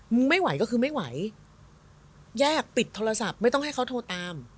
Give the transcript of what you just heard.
ไม่ไหวก็คือไม่ไหวแยกปิดโทรศัพท์ไม่ต้องให้เขาโทรตาม